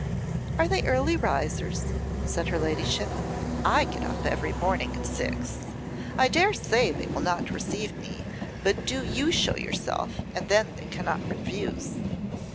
'Are they early risers?' said her ladyship; 'I get up every morning at six. I dare say they will not receive me; but do you show yourself, and then they cannot refuse.